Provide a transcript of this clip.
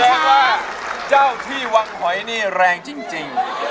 เพราะว่าเจ้าที่วังหอยนี่แรงจริง